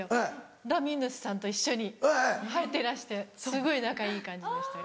ラミレスさんと一緒に入ってらしてすごい仲いい感じでしたよ。